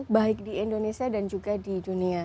baik di indonesia dan juga di dunia